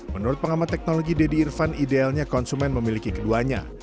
menurut pengamat teknologi deddy irfan idealnya konsumen memiliki keduanya